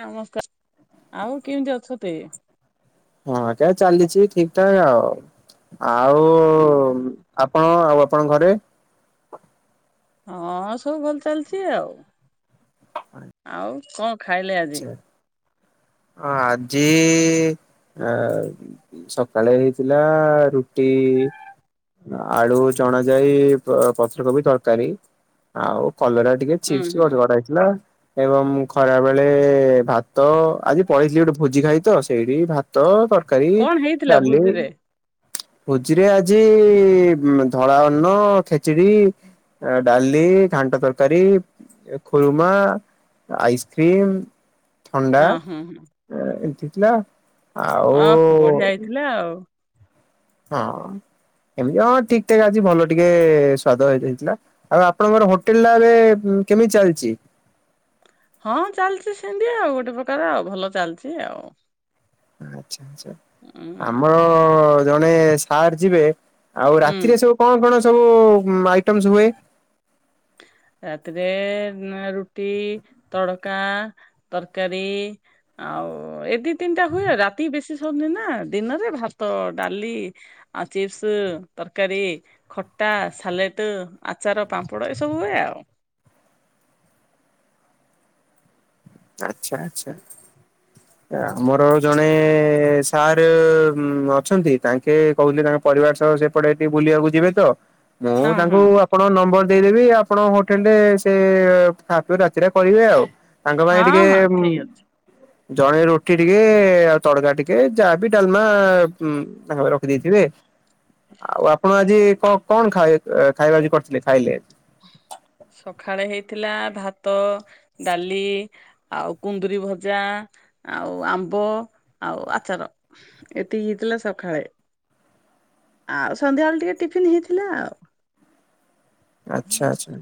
ନମସ୍କାର, ଆଉ କେମିତି ଅଛତି? ହଁ ଆଜ୍ଞା ଚାଲିଛି ଠିକଠାକ ଆଉ, ଆଉ ହୁଁ ହୁଁ ଆପଣ, ଆଉ ଆପଣଙ୍କ ଘରେ? ହଁ ସବୁ ଭଲ ଚାଲିଚି ଆଉ, ଆଉ କଣ ଖାଇଲେ ଆଜି? ହଁ ଆଜି ଆ ସକାଳେ ହେଇଥିଲା ରୁଟି ଆଳୁ ଚଣା ଯାଇ ପତ୍ରକୋବି ତରକାରୀ, ଆଉ କଲରା ଟିକେ ହୁଁ ଚିପ୍ସ ହୁଁ [unintelligible] ହେଇଥିଲା ଏବଂ ଖରା ବେ ଳେଭାତ, ଆଜି ପଳେଇଥିଲି ଗୋଟେ ଭୋଜି ଖାଇ ତ ସେଇଠି ଭା ତ ତରକାରୀ କଣ ହେଇଥିଲା ଡାଲି। ଭୋଜିରେ? ଭୋଜିରେ ଆଜି ଧଳାଅନ୍ନ, ଖେଚିଡି ଡାଲି, ଘାଣ୍ଟ ତରକାରୀ, ଖୁରୁମା, ଆଇସ୍ କ୍ରିମ୍ ଥଣ୍ଡା ହଁ ହୁଁ ହୁଁ ଏମତି ଥିଲା। ଆଉ ଏୟା ଆଉ ହଁ ଏମିତି, ହଁ ଠିକ ଠାକ ଆଜି ଭଲ ଟିକେ ସ୍ଵାଦ ହେଇ ଯାଇଥିଲା। ଆଉ ଆପଣଙ୍କର ହୋଟେଲରେ କେମିତି ଚାଲିଛି? ହଁ ଚାଲିଛି ସେମିତିଆଉ, ଗୋଟେ ପ୍ରକାର ଆଉ ଭଲ ଚାଲିଚି ଆଉ। ଆଛା, ଆଛା ଉଁ ଆମର ଜଣେ ସାର୍ ଯିବେ ଆଉ ହୁଁ ରାତିରେ ସବୁ କଣ, କଣ ସବୁ ଆଇଟମସ୍ ହୁଏ? ରାତିରେ ରୁଟି, ତଡକା, ତରକାରୀ। ଆଉ ଏ ଦି ତିନିଟା ହୁଏ, ରାତି ବେଶୀ ସରନି ନା ଦିନରେ ଭାତ ଡାଲି ଆ ଚିପ୍ସ ତରକାରୀ। ଖଟା, ସାଲେଟ, ଆଚାର ପାମ୍ପଡ ଏ ସବୁ ହୁଏ ଆଉ। [inaudible] ଆଚ୍ଛା ଆଛା। [inaudible] ଆମର ଜଣେ ସାର୍ ଅଛନ୍ତି, ତାଙ୍କେ କହୁଲେ ତାଙ୍କ ପରିବାର ସହ ସେପଟେ ଟିକେ ବୁଲିବାକୁ ଯିବେତ, ମୁଁ ହଁ ତାଙ୍କୁ ହଁ ଆପଣ ନମ୍ବର ଦେଇଦେବି, ଆପଣ ହୋଟେଲରେ ସେ ଖାପିଅ ରାତିଟା କରିବେ ଆଉ, ତାଙ୍କ ପାଇଁ ହଁ ଟିକେ ହଁ ଉଁ ଠିକ ଅଛି ଜଣେ ରୁଟି ଟିକେ ଆଉ ତଡକା ଟିକେ ଯାହାବି ଡାଲମା ଉଁ ତାଙ୍କ ପାଇଁ ରଖିଦେଇଥିବେ। ଆଉ ଆପଣ ଆଜି କ କଣ ଖାଇ ଖାଇବା ଆଜି କରିଥିଲେ ଖାଇଲେ? ସଖାଳେ ହେଇଥିଲା ଭାତ, ଡାଲି। ଆଉ କୁନ୍ଦୁରି ଭଜା, ଆଉ ଆମ୍ବ, ଆଉ ଆଚାର। ଏତିକି ହେଇଥିଲା ସଖାଳେ, ଆଉ ସନ୍ଧ୍ୟାବେଳେ ଟିକେ ଟିଫିନ୍ ହେଇଥିଲା ଆଉ। ଆଚ୍ଛା ଆଚ୍ଛା।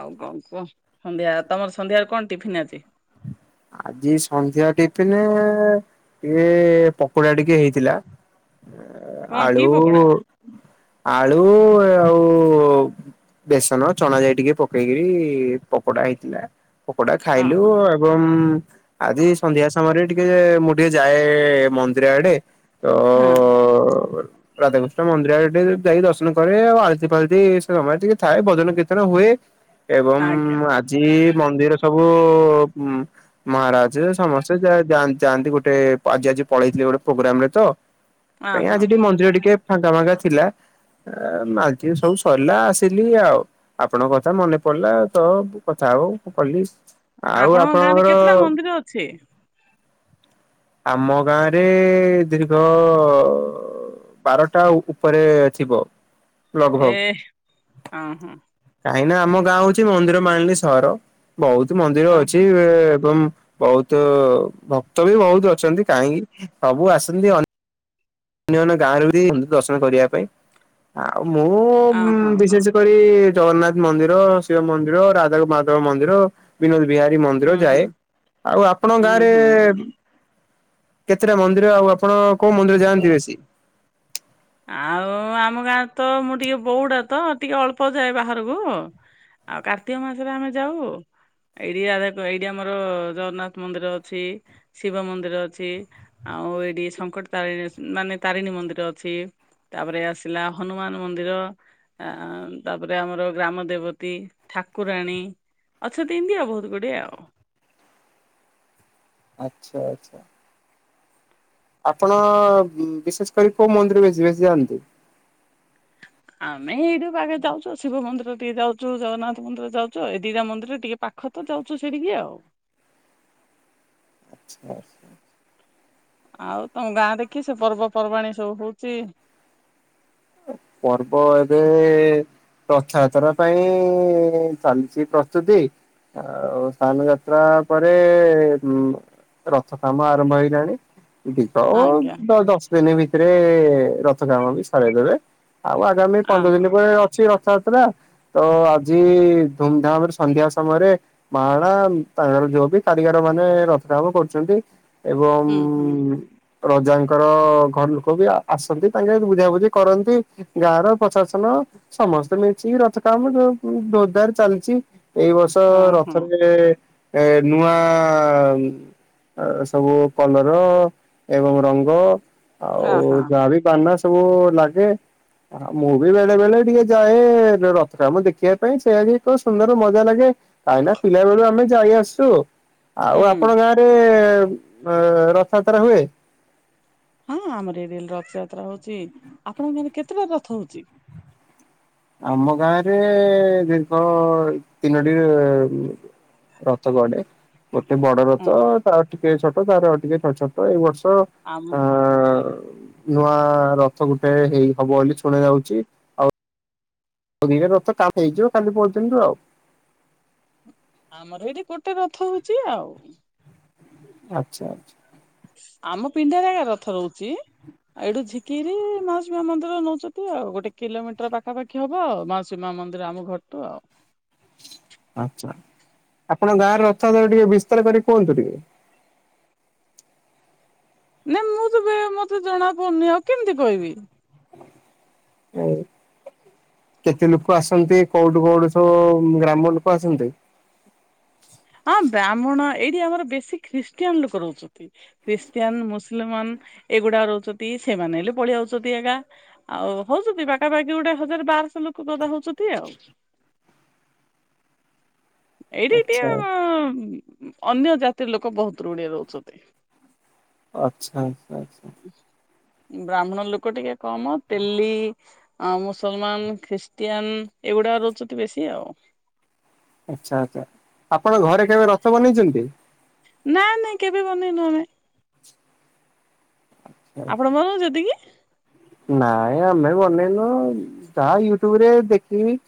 ଆଉ କଣ କୁହ ସନ୍ଧ୍ୟା ତମର ସନ୍ଧ୍ୟାରେ କଣ ଟିଫିନ୍ ଆଜି? ଆଜି ସନ୍ଧ୍ୟା ଟିଫିନି ଟିକେ ପକୋଡା ଟିକେ ହେଇଥିଲା। ଏ କଣ କି ଆଳୁ, ପକୋଡା ଆଳୁ ଆଉ ବେସନ ଚଣା ଯାଇ ଟିକେ ପକେଇକି ପକୋଡା ହେଇଥିଲା, ପକୋଡା ହଁ ଖାଇଲୁ ହଁ ଆ। ଏବଂ ଆଜି ସନ୍ଧ୍ୟା ସମୟରେ ଟିକେ ମୁଁ ଟିକେ ଯାଏ ମନ୍ଦିର ଆଡେ। ତ ହଁ ଅ ରାଧାକୃଷ୍ଣ ମନ୍ଦିର ଆଡେ ଟିକେ ଯାଇ ଦର୍ଶନ କରେ ଆଉ ଆଳତି ଫାଳତି ସେ ସମୟରେ ଟିକେ ଥାଏ, ଭଜନ କୀର୍ତ୍ତନ ହୁଏ। [unintelligible] ଏବଂ ଆଜ୍ଞା। ଆଜି ମନ୍ଦିର ସବୁ ମହାରାଜ୍ୟ ସମସ୍ତେ ଯା ଯାଆନ୍ତି ଗୋଟେ ଆଜି ଆଜି ପଳେଇଥିଲେ ଗୋଟେ ପ୍ରୋଗ୍ରାମ୍ ରେ ତ। ଅ ପାଇଁ ହଁ ଆଜି ହଁ ଟିକେ ମନ୍ଦିର ଟିକେ ଫାଙ୍କା ଫାଙ୍କା ଥିଲା। ଏ ମାଘେ ସବୁ ସରିଲା ଆସିଲି ଆଉ। ଆପଣଙ୍କ କଥା ମନେ ପଡିଲା ତ କଥା ହଉ କଲି। ଆଉ ଆପଣଙ୍କ ଗାଁ ରେ ଆପଣଙ୍କର କେତେଟା ମନ୍ଦିର ଅଛି? ଆମ ଗାଁରେ ଦୀର୍ଘ ବାରଟା ଉପରେ ଥିବ। ଏ ଲଗଭଗ ହେ ଓହୋ। କାହିଁକି ନା ଆମ ଗାଁ ହଉଚି ମନ୍ଦିର ମାଳିନୀ ସହର। ବହୁତ୍ ମନ୍ଦିର ହଁ ଅଛି। ହଁ ଏବଂ ବହୁତ ଭକ୍ତ ବି ବହୁତ୍ ଅ ଛନ୍ତି କାହିଁକି ସବୁ ଆସନ୍ତି। ଅ ଅନ୍ୟନ୍ୟ ଗାଁରେ ବି ଦର୍ଶନ କରିଆ ପାଇଁ। ଆଉ ଅ ମୁଁ ହଁ ହଁ ବିଶେଷ କରି ସେଠି ଜଗନ୍ନାଥ ମନ୍ଦିର ଶିବ ମନ୍ଦିର ରାଧାକୁ ମ ହାଦେବ ମନ୍ଦିର। ବିନୋଦ ବିହାରୀ ମନ୍ଦିର ହୁଁ ହୁଁ ଯାଏ। ଆଉ ଆପଣଙ୍କ ହୁଁ ଗାଁରେ ହୁଁ ହୁଁ। କେତେଟା ମନ୍ଦିର ଆଉ ଆପଣ କୋଉ ମନ୍ଦିର ଯାଆନ୍ତି ବେଶୀ? ଆଉ ଆମ ଗାଁ ତ ମୁଁ ଟିକେ ବଉଡା ତ ଟିକେ ଅଳ୍ପ ଯାଏ ବାହାରକୁ। ଆଉ କାର୍ତ୍ତିକ ମାସରେ ଆମେ ଯାଉ। ଏଇଠିକା ଏଇଠି ଆମର ଜଗନ୍ନାଥ ମନ୍ଦିର ଅଛି। ଶିବ ମନ୍ଦିର ଅଛି। ଆଉ ଏଇଠି ସଙ୍କଟ ତାରିଣୀ ମାନେ ତାରିଣୀ ମନ୍ଦିର ଅଛି। ତାପରେ ଆସିଲା ହନୁମାନ ମନ୍ଦିର। ଆ ତାପରେ ଆମର ଗ୍ରାମ ଦେବତୀ ଠାକୁରାଣୀ। ଅଛନ୍ତି ଇଂତୀ ଆଉ ବହୁତ ଗୁଡେ ଆଉ। ଆଚ୍ଛା ଆଚ୍ଛା। ଆପଣ ବିଶେଷ୍ କରି କୋଉ ମନ୍ଦିରକୁ ବେଶୀ ବେଶୀ ଯାଆନ୍ତି? ଆମେ ଏଇଠି ପାଖେ ଯାଉଚୁ। ଶିବ ମନ୍ଦିର ଟିକେ ଯାଉଚୁ ଜଗନ୍ନାଥ ମନ୍ଦିର ଯାଉଚୁ। ଏ ଦିଟା ମନ୍ଦିର ଟିକେ ପାଖ ତ ଯାଉଚୁ ସେଇଠିକି ଆଉ। ଆଚ୍ଛା। ଆଉ ତମ ଗାଁରେ କିସ ପର୍ବପର୍ବାଣୀ ସବୁ ହଉଚି? ପର୍ବ ଏବେ ରଥଯାତ୍ରା ପାଇଁ ଚାଲିଚି ପ୍ରସ୍ତୁତି। ଆଉ ସ୍ଥାନ୍ ଯାତ୍ରା ପରେ ରଥ କାମ ଆରମ୍ଭ ହେଇଗଲାଣି। ଦିପ ଓ ଆଜ୍ଞା ଦ ଦଶ ଦିନ ଭିତରେ ରଥ କାମ ବି ସରେଇଦେବେ। ଆଉ ଆଗାମୀ ଅ ପନ୍ଦର ହଁ ଦିନି ପରେ ଅଛି ରଥଯାତ୍ରା। ତ ଆଜି ଧୁମ୍ ଧାମରେ ସନ୍ଧ୍ୟା ସମୟରେ ମାଣା ତାଙ୍କର ଯୋଉ ବି କାରିଗର ମାନେ ରଥକାମ କରୁଛନ୍ତି। ଏବଂ ହୁଁ ହୁଁ ରଜାଙ୍କର ଘର ଲୋକ ବି ଆସନ୍ତି ତାଙ୍କେ ବୁଝାବୁଝି କରନ୍ତି। ଊ ଗାଁର ପ୍ରଶାସନ ସମସ୍ତେ ମିଳିକି ରଥ କାମ ଧୋରଦାର ଚାଲିଛି ଏଇ ବର୍ଷ ଅ ତ ହଁ ରଥରେ ଏ ନୂଆ ସବୁ କଲର ଏବଂ ରଙ୍ଗ ଅ ଆଉ ହଁ ଯାହା ବି ବାନା ସବୁ ଲାଗେ। ଆ ମୁଁ ବି ବେଳେ ବେଳେ ଟିକେ ଯାଏ ରଥ କାମ ଦେଖିବା ପାଇଁ ସେଇଆ ବି ଏକ ସୁନ୍ଦର ମଜା ଲାଗେ। କାଇଁନା ପିଲା ବେଳୁ ଆମେ ଯାଇ ଆସୁ। ଆଉ ହୁଁ। ଆପଣ ଗାଁରେ ରଥଯାତ୍ରା ହୁଏ? ହଁ ଆମର ଇଆଡ଼େ ରଥଯାତ୍ରା ହଉଛି। ଆପଣଙ୍କ ଗାଁରେ କେତେଟା ରଥ ହଉଛି? ଆମ ଗାଁରେ ଦୀର୍ଘ ତିନୋଟି। ରଥ ଗଡେ ଗୋଟେ ବଡ ହଁ ରଥ ତ ଆଉ ଟିକେ ଛୋଟ ତାପରେ ଆଉ ଟିକେ ଛୋଟ ଛୋଟ ଏଇ ବର୍ଷ। ଆମ। ଆ ନୂଆ ରଥ ଗୋଟେ ହେଇ ହବ ବୋଲି ଶୁଣା ଯାଉଛି। ଆଉ ଦିଟା ରଥ କାମ ହେଇଯିବ କାଲି ପର୍ଯ୍ୟନ୍ତରୁ ଆଉ। ଆମର ଏଇଠି ଗୋଟେ ରଥ ହଉଛି ଆଉ। ଆଚ୍ଛା ଆଚ୍ଛା। ଆମ ପିଣ୍ଡାରେ ଏକା ରଥ ରହୁଛି। ଆଉ ଏଇଠୁ ଝିକି କିରି ମାଉସୀମା ମନ୍ଦିର ନଉଛନ୍ତି ଆଉ ଗୋଟେ କିଲୋ ମିଟର ପାଖାପାଖି। ହବ ମାଉସୀ ମା ମନ୍ଦିର ଆମ ଘରଠୁ ଆଉ। ଆଛା ଆପଣଙ୍କ ଗାଁରେ ରଥ ଯାତ୍ରା ଟିକେ ବିସ୍ତାର କରିକି କୁହନ୍ତୁ ଟିକେ। ନାଇଁ ମୁଁ ତ ବେ ମତେ ଜଣା ପଡୁନି ଆଉ କେମିତି କହିବି। ହ ଉ କେତେ ଲୋକ ଆସନ୍ତି କୋଉଠୁ କୋଉଠୁ ସବୁ ଗ୍ରାମ ଲୋକ ଆସନ୍ତି। ହଁ ବ୍ରାହ୍ମଣ ଏଇଠି ଆମର ବେଶୀ ଖ୍ରୀଷ୍ଟିଆନ ଲୋକ ରହୁଛନ୍ତି। ଖ୍ରୀଷ୍ଟିଆନ, ମୁସିଲମାନ ଏଗୁଡା ରହୁଛନ୍ତି ସେମାନେ ହେଲେ ପଳେଇ ଆଉଛନ୍ତି ଛନ୍ତି ଏକା। ଆଉ ହଉଛନ୍ତି ପାଖାପାଖି ଗୋଟେ ହଜାର ବାରଶହ ଲୋକ ଗଦା ହଉଛନ୍ତି ଆଉ। ଏଇଠି ଆଚ୍ଛା ଟିକେ ବ ଅନ୍ୟ ଜାତିର ଲୋକ ବହୁତ ଋଢିଏ ରହୁଛନ୍ତି। ଆଚ୍ଛା ଆଚ୍ଛା ଆଛା। ବ୍ରାହ୍ମଣ ଲୋକ ଟିକେ କମ ତେଲି। ଆ ମୁସଲମାନ, ଖ୍ରୀଷ୍ଟିଆନ ଏଇଗୁଡା ରହୁଛନ୍ତି ବେଶୀ ଆଉ। ଆଚ୍ଛା ଆଚ୍ଛା ଆପଣ ଘରେ କେବେ ରଥ ବନେଇଛନ୍ତି। ନା ନାଇଁ କେବେ ବନେଇନୁ ଆମେ। ଆଛା। ଆପଣ ବନଉଚନ୍ତି କି? ନାଇଁ ଆମେ ବନେଇନୁ ଯାହା ୟୁଟ୍ୟୁବ ରେ ଦେଖିକି।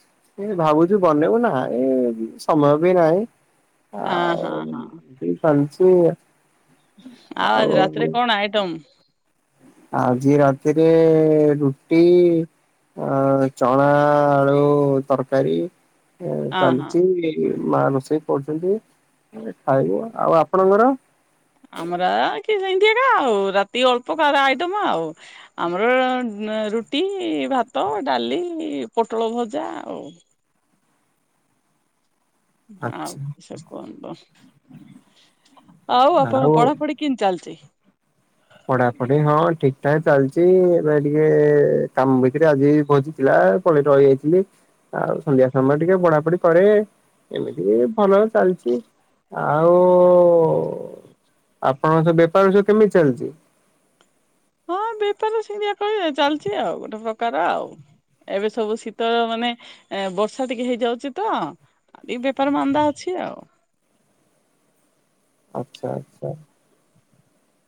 ଏ ଭାବୁଛୁ ବନେଇବୁ ନାଇ ସମୟ ବି ନାହିଁ। ହଁ ଆଉ ହଁ ହଁ ଏମିତି ସବୁ ଚାଲଚି ଆଉ। ଆଉ ଆଜି ରାତିରେ କଣ ଆଇଟମ୍। ଆଜି ରାତିରେ ରୁଟି। ଅ ଚଣା ଆଳୁ ତରକାରୀ। ଏ ହଁ ହଁ ଚାଲିଛି ମା ରୋଷେଇ କରୁଛନ୍ତି ଖାଇବୁ। ଆଉ ଆପଣଙ୍କର। ଆମର କି ସେମିତି ଏକା ଆଉ ରାତି ଅଳ୍ପ କାର ଆଇଟମ ଆଉ। ଆମର ର ରୁଟି, ଭାତ, ଡାଲି, ପୋଟଳ ଭଜା ଆଉ। ଆଉ ଆଚ୍ଛା ସାର୍ କୁହନ୍ତୁ ଆଉ ଆପଣଙ୍କ ପଢାପଢି। କିଁତି ଚାଲିଛି? ପଢାପଢି ହଁ ଠିକଠାକ୍ ଚାଲିଛି ଏବେ ଟିକେ କାମ ଭିତରେ ଆଜି ଭୋଜିଥିଲା। ପଳେଇ ରହି ଯାଇଥିଲି ଆଉ ସନ୍ଧ୍ୟା ସମୟରେ ଟିକେ ପଢାପଢି କରେ। ଏମିତି ବି ଭଲ ଚାଲିଛି ଆଉ ଉ। ଆପଣଙ୍କ ସବୁ ବେପାର ସବୁ କେମିତି ଚାଲିଚି। ହଁ ବେପାର ସିଇଁତି ଏକା ବେଳେ ଚାଲିଚି ଆଉ ଗୋଟେ ପ୍ରକାର ଆଉ। ଏବେ ସବୁ ଶୀତଳ ମାନେ ବର୍ଷା ଟିକେ ହେଇଯାଉଚି ତ। ଏଇ ବେପାର ମାନ୍ଦା ଅଛି ଆଉ। ଆଚ୍ଛା ଆଚ୍ଛା।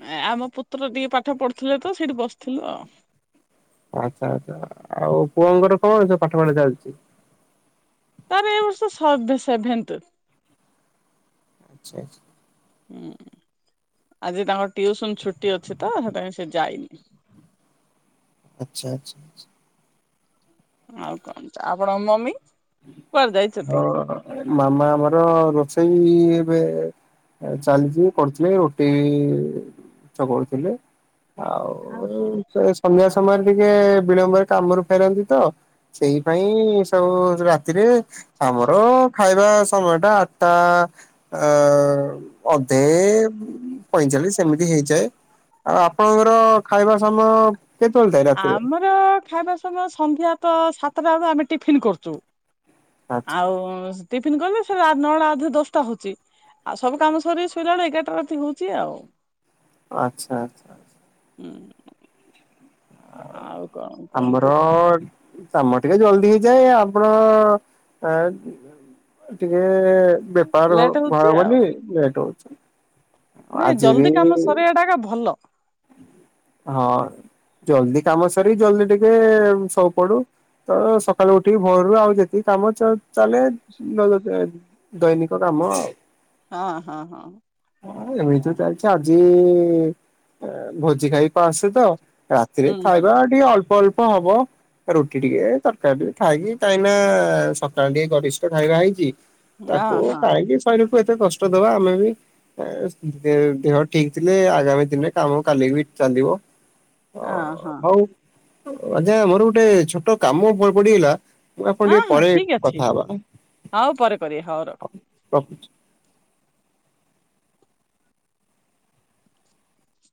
ଏ ଆମ ପୁତ୍ର ଟିକେ ପାଠ ପଢୁଥିଲେ ତ ସେଇଠି ବସିଥିଲୁ ଆଉ। ଆଛା ଆଚ୍ଛା ଆଉ ପୁଅଙ୍କର କଣ ସବୁ ପାଠପଢା ଚାଲିଚି? ତାର ଏ ବର୍ଷ ସଭେ- ସେଭେନ୍ଥ। ଆଚ୍ଛା ଆଚ୍ଛା। ହୁଁ ଆଜି ତାଙ୍କ ଟିଉସନ୍ ଛୁଟି ଅଛି ତ ହେଥିପାଇଁ ସେ ଯାଇନି। ଆଚ୍ଛା -ଆଚ୍ଛା- ଆଛା। ଆଉ କଣ୍ ଆପଣଙ୍କ ମମି? କୁଆଡେ ଯାଇଛନ୍ତି? ଅ- ମାମା ଆମର ରୋଷେଇ ଏବେ ଚାଲିଚି କରୁଥିଲେ ରୋଟି ଚକଡୁ ଥିଲେ। ଆଉ ହଁ ହଁ। ସେସ୍ ସନ୍ଧ୍ୟା ସମୟରେ ଟିକେ ବିଳମ୍ବରେ କାମରୁ ଫେରନ୍ତି ତ ସେଇ ପାଇଁ ସବୁ ରାତିରେ ଆମର ଖାଇବା ସମୟ ଟା ଆଠ୍ ଟା ଅ- ଅଧେ ପଇଁଚାଳିଶ୍ ଏମିତି ହେଇଯାଏ। ଆଉ ଆପଣଙ୍କର ଖାଇବା ସମୟ କେତେବେଳେ ଥାଏ ରାତିରେ? ଅ- ଖାଇବା ସମୟ ସନ୍ଧ୍ୟା ତ ସାତଟା ବେଳୁ ଆମେ ଟିଫନ୍ କରୁଚୁ। ଆଛା ଆଉ ଟିଫିନ୍ କଲେ ସେରା ନଅଟା ଅଧେ ଦଶଟା ହଉଚି। ଆଉ ସବୁ କାମ ସରି ଶୋଇଲା ଅଳୁ ଏଗାରଟା ରାତି ହଉଚି ଆଉ। ଆଚ୍ଛା ଆଚ୍ଛା। ହୁଁ ଆଉ କଣ୍ କୁହନ୍ତୁ। ଫୋନ୍। କାମ ଟିକେ ଜଲ୍ଦି ହେଇଯାଏ ଆପଣ ଏଁ ଟିକେ ବେପାର [unintelligible] ଲେଟ୍ ହଉଛି ଆଉ ବୋଲି ଲେଟ୍ ହଉଚି। ନାଇଁ ଜଲ୍ଦି କାମ ସରିଆ ଟା ଏକା ଭଲ। ହଁ ଜଲ୍ଦି କାମ ସାରି ଜଲ୍ଦି ଟିକେ ଶୋ ପଡୁ। ତ ସକାଳୁ ଉଠିକି ଭୋରରୁ ଆଉ ଯେତିକି କାମ ଚା ଚାଲେ ନ- [unintelligible] ଦୈନିକ କାମ ଆଉ। ହଁ -ହଁ -ହଁ। ହଁ ଏମିତି ତ ଚାଲିଚି ଆଜି ଇ- ଭୋଜି ଖାଇ ଅ -ଆସି ତ ରାତିରେ ହୁଁ ହୁଁ ଖାଇବା ଟିକେ ଅଳ୍ପ ଅଳ୍ପ ହବ। ରୁଟି ଟିକେ ତରକାରୀ ଟିକେ ଖାଇକି କାଇଁ ନା ସକାଳ ଟିକେ ଗରିଷ୍ଠ ଖାଇବା ହେଇଚି। ହଁ ତାକୁ ହଁ କାଇଁକି ଶରୀରକୁ ଏତେ କଷ୍ଟ ଦବା ଆମେ ବି ଏ -ଦେ- ଦେହ ଠିକ୍ ଥିଲେ ଆଗାମୀ ଦିନରେ କାମ କାଲି ବି ଚାଲିବ ହଁ ହଁ ହ-ହଉ। ଅଜା ମୋର ଗୋଟେ ଛୋଟ କାମ ପ- ପଡିଗଲା। ମୁଁ ଆପଣ ହଁ ଟିକେ ହଁ ପରେ ଠିକ ଅଛି କଥା ହବା ଅ- ହଉ ପରେ କରିବେ ହଉ ରଖ। ରଖୁଚି।